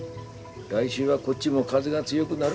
来週はこっちも風が強ぐなる。